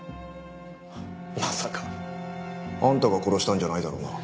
まさかあんたが殺したんじゃないだろうな？